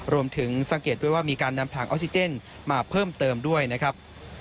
รวมถึงสังเกตด้วยว่ามีการนำถังออกซิเจนมาเพิ่มเติมด้วยนะครับ